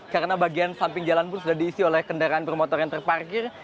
karena bagian samping jalan pun sudah diisi oleh kendaraan promotor yang terparkir